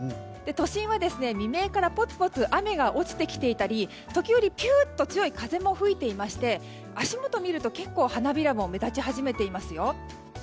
都心は未明からぽつぽつ雨が落ちてきていたり時折、ぴゅーっと強い風も吹いていまして足元を見ると結構、花びらも目立ち始めていますよ。